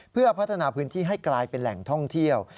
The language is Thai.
เพื่อพัฒนาพื้นที่ให้กลายเป็นแหล่งท่องเที่ยว